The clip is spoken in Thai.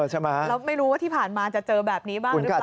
แล้วไม่รู้ว่าที่ผ่านมาจะเจอแบบนี้บ้างหรือเปล่า